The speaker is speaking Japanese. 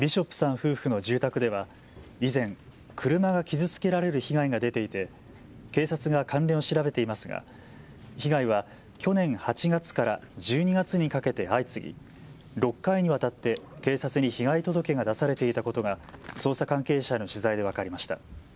夫婦の住宅では以前、車が傷つけられる被害が出ていて警察が関連を調べていますが被害は去年８月から１２月にかけて相次ぎ、６回にわたって警察に被害届が出されていたことが捜査関係者への取材で分かりました。